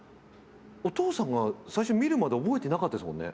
お父さんが最初見るまで覚えてなかったですもんね。